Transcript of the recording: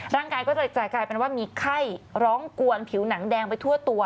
ร่างกายก็จะกลายเป็นว่ามีไข้ร้องกวนผิวหนังแดงไปทั่วตัว